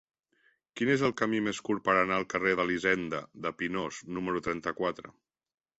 Quin és el camí més curt per anar al carrer d'Elisenda de Pinós número trenta-quatre?